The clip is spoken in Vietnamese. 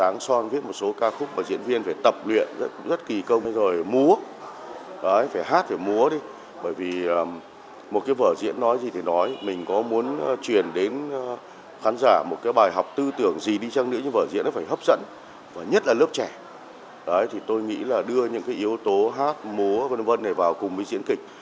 những yếu tố hát múa v v này vào cùng với diễn kịch